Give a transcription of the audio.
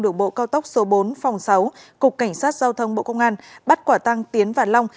đường bộ cao tốc số bốn phòng sáu cục cảnh sát giao thông bộ công an bắt quả tăng tiến và long